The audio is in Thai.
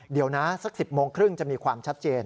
เดี๋ยวนะสัก๑๐โมงครึ่งจะมีความชัดเจน